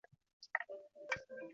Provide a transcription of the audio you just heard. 周围有麦穗和葡萄装饰。